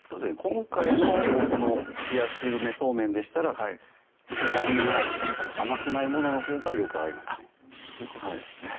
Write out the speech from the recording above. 今回のこの「冷やし梅そうめん」でしたら酸味のある甘くないもののほうがよく合いますねそういうことですね